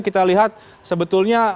kita lihat sebetulnya